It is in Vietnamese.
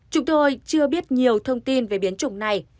chúng tôi chưa biết nhiều thông tin về biến chủng này